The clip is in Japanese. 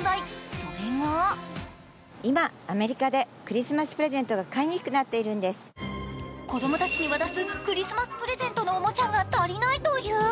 それが子供たちに渡すクリスマスプレゼントのおもちゃが足りないという。